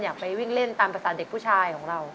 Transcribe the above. ไปวิ่งเล่นตามภาษาเด็กผู้ชายของเรา